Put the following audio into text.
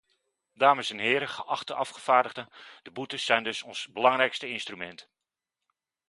Dames en heren, geachte afgevaardigden, de boetes zijn dus ons belangrijkste instrument.